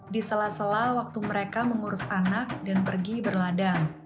di sela sela waktu mereka mengurus anak dan pergi berladang